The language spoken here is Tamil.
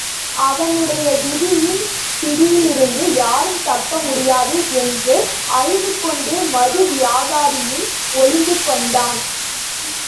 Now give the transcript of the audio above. அவனுடைய விதியின் பிடியிலிருந்து யாரும் தப்ப முடியாது! என்று அழுதுகொண்டே மது வியாபாரியும் ஒளிந்துகொண்டான்.